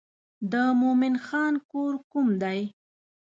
د مومن خان کور کوم دی.